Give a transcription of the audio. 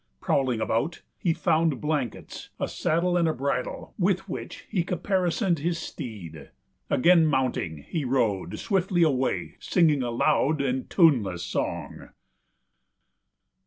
Prowling about, he found blankets, a saddle and bridle with which he caparisoned his steed. Again mounting, he rode swiftly away, singing a loud and tuneless song.